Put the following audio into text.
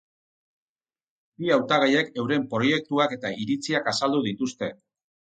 Bi hautagaiek euren proiektuak eta iritziak azaldu dituzte.